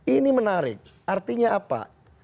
ini menarik artinya apa